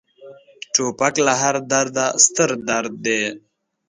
توپک له هر درده ستر درد دی.